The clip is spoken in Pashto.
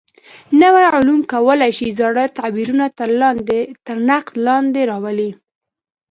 نوي علوم کولای شي زاړه تعبیرونه تر نقد لاندې راولي.